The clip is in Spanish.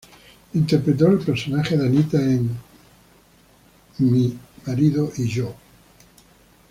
Interpretó el personaje de Anita en "My Husband and I".